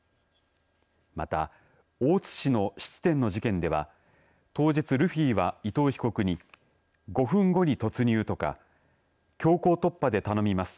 また、大津市の質店の事件では当日ルフィは伊藤被告に５分後に突入とか強行突破で頼みます。